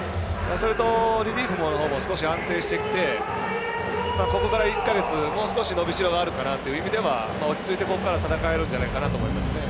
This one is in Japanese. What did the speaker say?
それとリリーフのほうも少し安定してきてここから１か月、もう少し伸びしろはあるかなという意味では落ち着いて、ここから戦えるんじゃないかなと思います。